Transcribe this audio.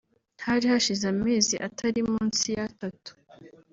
Hari hashize amezi atari munsi y’atatu